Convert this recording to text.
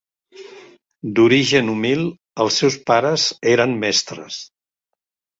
D'origen humil, els seus pares eren mestres.